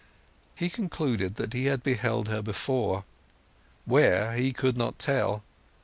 He concluded that he had beheld her before; where he could not tell.